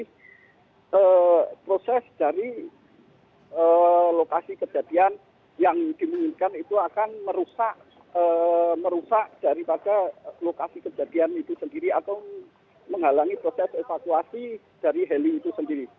jadi proses dari lokasi kejadian yang diminta itu akan merusak daripada lokasi kejadian itu sendiri atau menghalangi proses evakuasi dari heli itu sendiri